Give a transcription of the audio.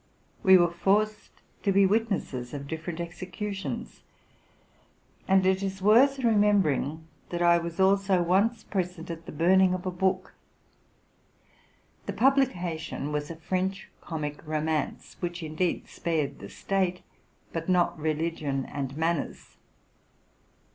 We were forced to be witnesses of different executions ; and it is worth remembering, that I was also once present at the burning of a book. The publi cation was a French comic romance, which indeed spared the State, but not religion and manners.